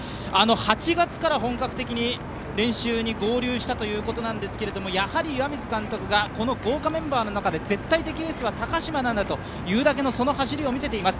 ８月から本格的に練習に合流したということですが、やはり岩水監督がこの豪華メンバーの中で絶対的エースは高島なんだというだけの走りを見せています。